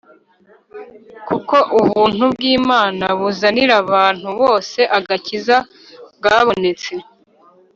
Kuko ubuntu bw’Imana buzanira abantu bose agakiza bwabonetse